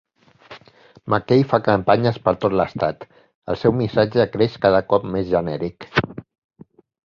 McKay fa campanyes per tot l'estat, el seu missatge creix cada cop més genèric.